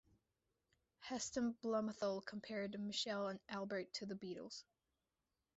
Heston Blumenthal compared Michel and Albert to The Beatles.